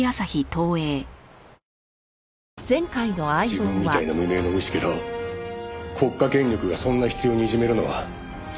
「自分みたいな無名の虫けらを国家権力がそんな執拗にいじめるのは」